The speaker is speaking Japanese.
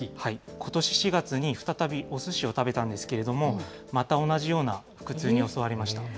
ことし４月に再びおすしを食べたんですけれども、また同じような腹痛に襲われました。